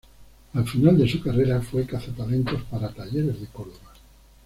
Al final de su carrera fue cazatalentos para Talleres de Córdoba.